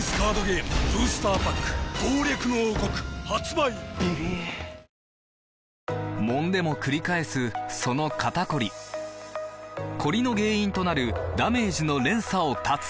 新「ブローネ泡カラー」「ブローネ」もんでもくり返すその肩こりコリの原因となるダメージの連鎖を断つ！